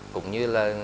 cũng như là để đảm bảo